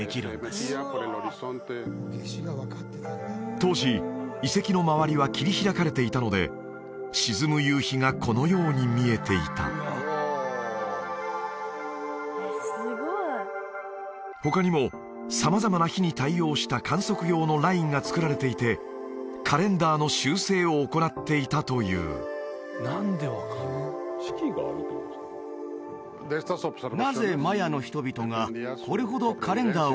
当時遺跡の周りは切り開かれていたので沈む夕日がこのように見えていた他にも様々な日に対応した観測用のラインが作られていてカレンダーの修正を行っていたというホントにマヤの技術の集大成中心地だっていうのがよく分かりますね